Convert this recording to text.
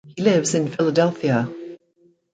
He lives in Philadelphia.